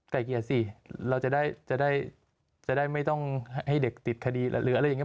ไก่เกลี่ยสิเราจะได้จะได้ไม่ต้องให้เด็กติดคดีหรืออะไรอย่างนี้